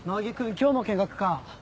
今日も見学か？